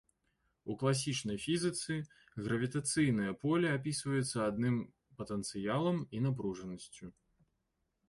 У класічнай фізіцы гравітацыйнае поле апісваецца адным патэнцыялам і напружанасцю.